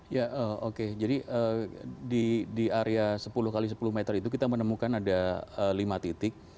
ya oke jadi di area sepuluh x sepuluh meter itu kita menemukan ada lima titik